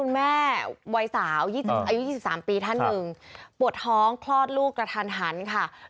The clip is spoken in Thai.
แล้วเท้าล่ะ